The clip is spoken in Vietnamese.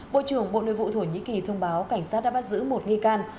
bộ trưởng bộ nội vụ thổ nhĩ kỳ thông báo cảnh sát đã bắt giữ một nghi can